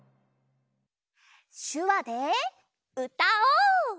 しゅわでうたおう！